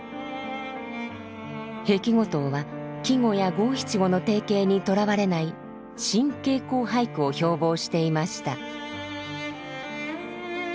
碧梧桐は季語や五七五の定型にとらわれない新傾向俳句を標ぼうしていました。